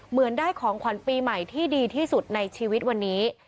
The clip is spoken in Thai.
เหมือนได้ของขวัญปีใหม่ที่ดีที่สุดในชีวิตวันนี้